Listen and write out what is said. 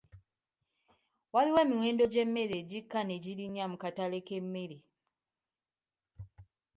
Waliwo emiwendo gy'emmere egikka ne girinya mu katale k'emmere.